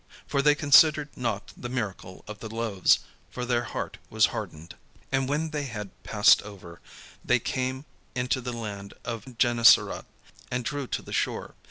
For they considered not the miracle of the loaves: for their heart was hardened. And when they had passed over, they came into the land of Gennesaret, and drew to the shore.